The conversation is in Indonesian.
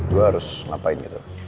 gue harus ngapain gitu